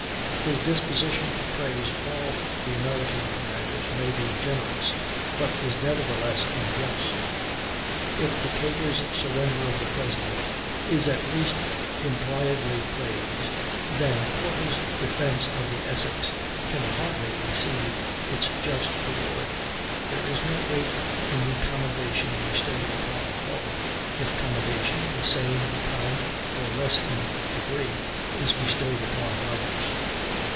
His disposition to praise all the American commanders may be generous, but is nevertheless unjust. If Decatur's surrender of the President is at least impliedly praised, then Porter's defence of the Essex can hardly receive its just award. There is no weight in the commendation bestowed upon Hull, if commendation, the same in kind though less in degree, is bestowed upon Rodgers.